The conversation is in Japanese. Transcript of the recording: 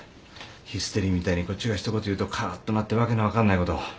ヒステリーみたいにこっちがひと言言うとカーッとなって訳の分かんないこと。